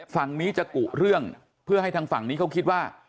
ฝั่งนี้จะกุเรื่องเพื่อให้ทางฝั่งนี้เขาคิดว่า